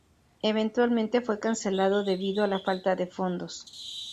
Eventualmente fue cancelado debido a la falta de fondos.